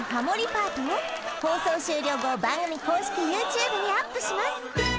パートを放送終了後番組公式ＹｏｕＴｕｂｅにアップします